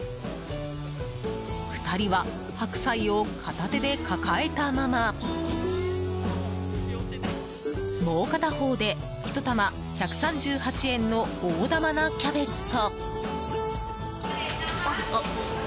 ２人は白菜を片手で抱えたままもう片方で、ひと玉１３８円の大玉なキャベツと。